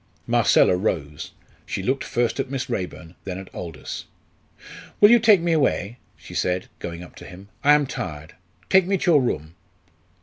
Marcella rose. She looked first at Miss Raeburn then at Aldous. "Will you take me away?" she said, going up to him; "I am tired take me to your room."